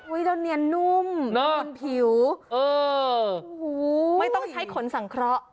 เดี๋ยวมีเนียนนุ่มบนผิวไม่ต้องใช้ขนสังคระ